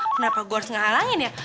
kenapa gue harus menghalangi dia